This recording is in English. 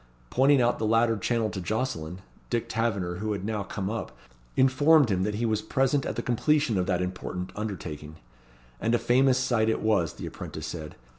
Pointing out the latter channel to Jocelyn, Dick Taverner, who had now come up, informed him that he was present at the completion of that important undertaking. And a famous sight it was, the apprentice said.